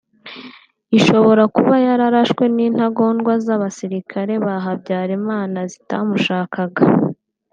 ishobora kuba yararashwe n’intagondwa z’abasirikare ba Habyarimana zitamushakaga